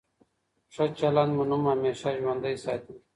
ښه چلند مو نوم همېشه ژوندی ساتي.